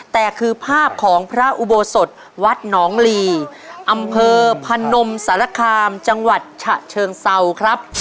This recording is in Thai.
แต่คือภาพของพระอุโบสถวัดหนองลีอำเภอพนมสารคามจังหวัดฉะเชิงเซาครับ